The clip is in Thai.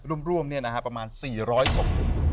ร่วมร่วมเนี้ยนะฮะประมาณสี่ร้อยศพ